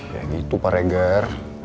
ya gitu pak regan